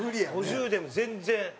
５０でも全然。